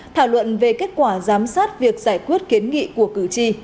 thảo luận về kết quả giám sát việc giải quyết kiến nghị của cử tri